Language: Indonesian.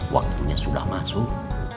waktunya sudah masuk